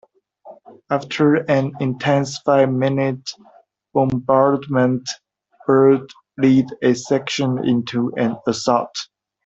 After an intense five-minute bombardment, Brunt led a section into an assault.